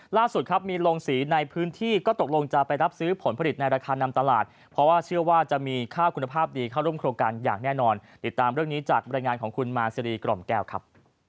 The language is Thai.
ล่าสุดครับมีลงสีในพื้นที่ก็ตกลงจะไปรับซื้อผลผลิตในราคานำตลาดเพราะว่าเชื่อว่าจะมีค่าคุณภาพดีเข้าร่วมโครงการอย่างแน่นอนติดตามเรื่องนี้จากบรรยายงานของคุณมาซีรีกล่อมแก้วครับ